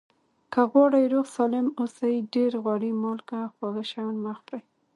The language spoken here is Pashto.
که غواړئ روغ سالم اوسئ ډېر غوړي مالګه خواږه شیان مه خوری